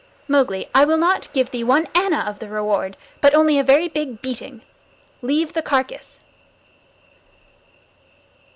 Mowgli, I will not give thee one anna of the reward, but only a very big beating. Leave the carcass!"